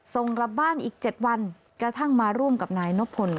ส่งกลับบ้านอีก๗วันกระทั่งมาร่วมกับนายนพล